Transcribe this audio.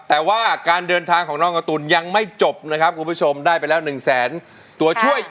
แต่ว่าการเดินทางของน้องการ์ตูนยังไม่จบนะครับคุณผู้ชมได้ไปแล้ว๑แสนตัวช่วย